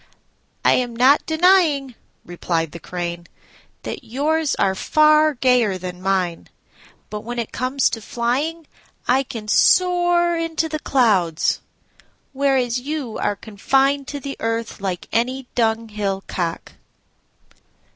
"I am not denying," replied the Crane, "that yours are far gayer than mine; but when it comes to flying I can soar into the clouds, whereas you are confined to the earth like any dunghill cock."